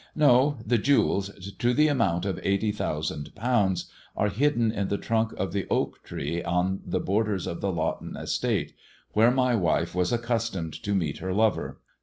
No ! the jewels, to the amount of eighty thousand pounds, are hidden in the trunk of the oak tree on the borders of the Lawton estate, where my wife was accustomed to meet her lover.